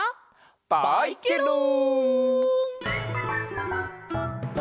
バイケロン！